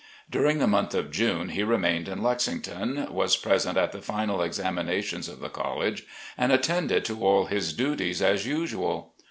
During the month of June he remained in Lexington, was present at the final examinations of the college, and attended to all his duties as usual.